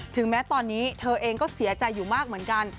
ถึงแม้ตอนนี้เธอเองก็เสียใจอยู่มากเหมือนกัน